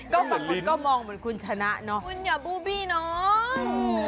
ก็มันมันก็มองเหมือนคุณฉนะเนอะคุณฉะพูดสินะอืม